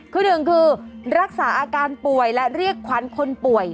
คือหนึ่งคือรักษาอาการป่วยและเรียกขวัญคนป่วย